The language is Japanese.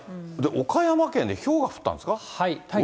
岡山県でひょうが降ったんですか。